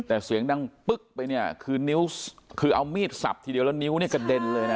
แต่เสียงดังปึ๊กไปเนี่ยคือนิ้วคือเอามีดสับทีเดียวแล้วนิ้วเนี่ยกระเด็นเลยนะ